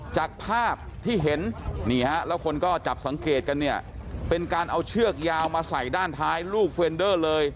จากภาพที่เห็นนี่ฮะแล้วคนก็จับสังเกตกันเนี่ยเป็นการเอาเชือกยาวมาใส่ด้านท้ายลูกเฟรนเดอร์เลย